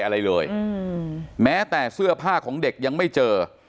อะไรเลยแม้แต่เสื้อผ้าของเด็กยังไม่เจอ